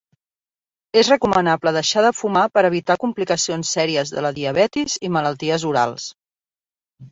És recomanable deixar de fumar per evitar complicacions sèries de la diabetis i malalties orals.